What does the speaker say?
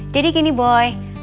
jadi gini boy